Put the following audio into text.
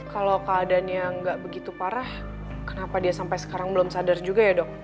kalau keadaannya nggak begitu parah kenapa dia sampai sekarang belum sadar juga ya dok